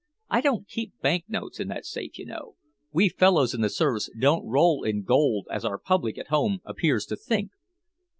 "I don't keep bank notes in that safe, you know. We fellows in the Service don't roll in gold as our public at home appears to think."